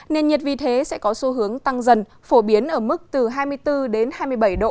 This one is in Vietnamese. nền nhiệt vì thế sẽ có xu hướng tăng dần phổ biến ở mức từ hai mươi bốn đến hai mươi bảy độ